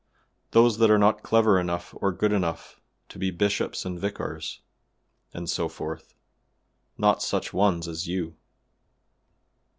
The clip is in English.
"Those that are not clever enough or good enough to be bishops and vicars, and so forth; not such ones as you."